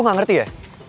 gio gak ngerti ya